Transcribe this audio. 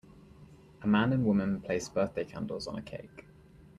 A man and woman place birthday candles on a cake.